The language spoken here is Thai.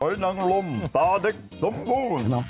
ไฮนังลมตาเด็กสมบูรณ์